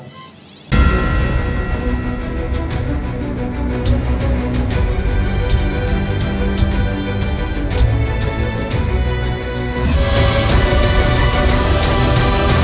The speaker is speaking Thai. สวัสดีครับ